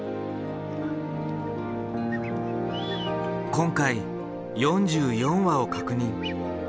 今回４４羽を確認。